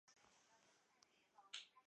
后授刑科都给事中。